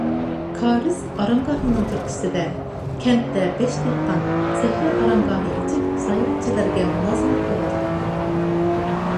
كارىز ئارامگاھىنىڭ تۈرتكىسىدە كەنتتە بەش دېھقان‹‹ سەھرا ئارامگاھى›› ئېچىپ ساياھەتچىلەرگە مۇلازىمەت قىلىۋاتىدۇ.